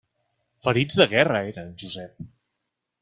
Ferits de guerra, eren, Josep!